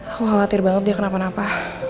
aku khawatir banget dia kenapa napa